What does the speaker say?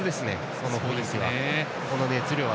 この雰囲気は。